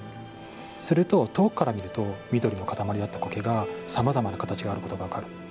すると、遠くから見ると緑の塊だった苔がさまざまな形があることが分かる。